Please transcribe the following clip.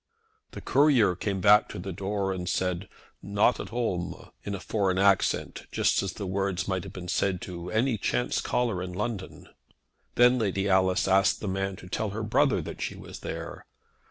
The courier came to the door and said "not at home," in a foreign accent, just as the words might have been said to any chance caller in London. Then Lady Alice asked the man to tell her brother that she was there.